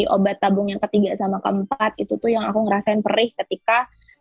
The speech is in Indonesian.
obat tabung yang ketiga sama keempat itu tuh yang aku ngerasain perih ketika